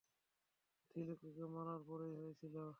ত্রিলোকিকে মারার পরেই হয়েছিল।